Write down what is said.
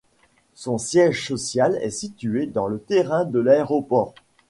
Son siège social est situé sur le terrain de l'aéroport.